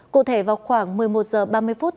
cụ thể vào khoảng một mươi một h ba mươi phút